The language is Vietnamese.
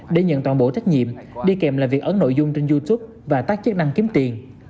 để nhận toàn bộ trách nhiệm đi kèm là việc ấn nội dung trên youtube và tác chức năng kiếm tiền